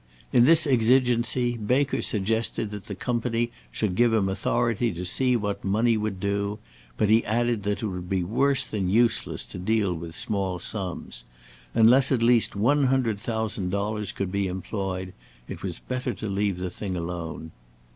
In this exigency Baker suggested that the Company should give him authority to see what money would do, but he added that it would be worse than useless to deal with small sums. Unless at least one hundred thousand dollars could be employed, it was better to leave the thing alone.